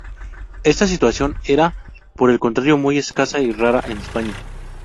Esta situación era, por el contrario muy escasa y rara en España.